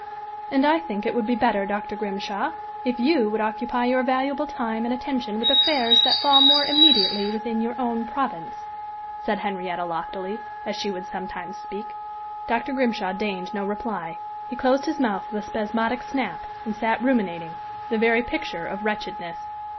"And I think it would be better, Dr. Grimshaw, if you would occupy your valuable time and attention with affairs that fall more immediately within your own province," said Henrietta, loftily, as she would sometimes speak. Dr. Grimshaw deigned no reply. He closed his mouth with a spasmodic snap, and sat ruminating the very picture of wretchedness.